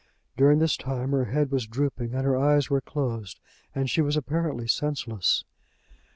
During this time her head was drooping, and her eyes were closed, and she was apparently senseless.